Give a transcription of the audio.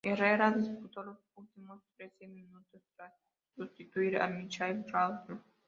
Herrera disputó los últimos trece minutos tras sustituir a Michael Laudrup.